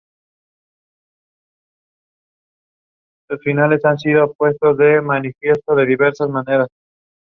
Se obtuvieron datos sobre población, religión, edad, y raza.